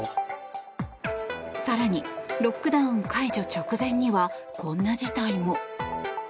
更に、ロックダウン解除直前にはこんな事態も。